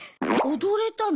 踊れたの？